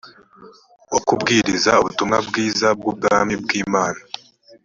wo kubwiriza ubutumwa bwiza bw ubwami bw imana